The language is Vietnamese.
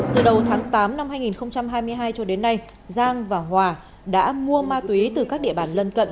từ đầu tháng tám năm hai nghìn hai mươi hai cho đến nay giang và hòa đã mua ma túy từ các địa bàn lân cận